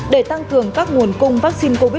để tăng cường các nguồn cung vaccine covid một mươi chín